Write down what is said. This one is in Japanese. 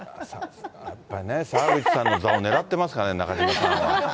やっぱりね、澤口さんの座を狙ってますからね、中島さんは。